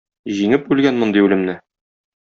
Җиңеп үлгән мондый үлемне?